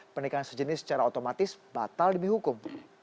pernikahan sejenis secara otomatis batal dihukum